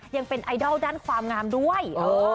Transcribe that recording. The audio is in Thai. จะเป็นนางเอกซุปตาเบอร์ตั้งต้นแล้วนะ